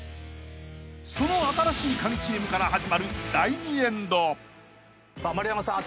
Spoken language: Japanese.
［その新しいカギチームから始まる第２エンド］さあ丸山さん